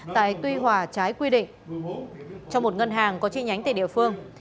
tại tuy hòa trái quy định cho một ngân hàng có chi nhánh tại địa phương